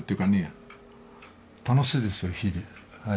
楽しいですよ日々。